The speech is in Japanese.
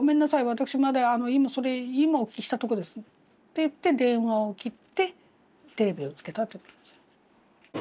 私まだ今それ今お聞きしたとこです」って言って電話を切ってテレビをつけたと。